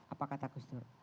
apa kata gus dur